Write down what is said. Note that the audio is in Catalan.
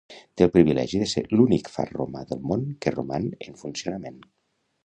Té el privilegi de ser l'únic far romà del món que roman en funcionament.